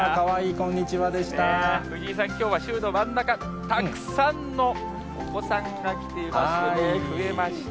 こんにちは、藤井さん、きょうは週の真ん中、たくさんのお子さんが来ていましてね、増えました。